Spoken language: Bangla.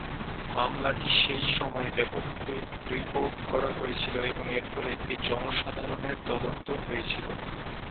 মামলাটি সেই সময়ে ব্যাপকভাবে রিপোর্ট করা হয়েছিল এবং এর ফলে একটি জনসাধারণের তদন্ত হয়েছিল।